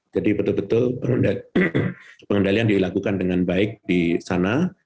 jadi betul betul pengendalian dilakukan dengan baik di sana